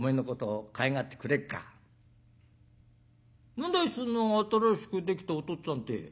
「何だいその新しくできたおとっつぁんって？」。